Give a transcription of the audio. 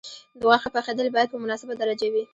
د غوښې پخېدل باید په مناسبه درجه وي.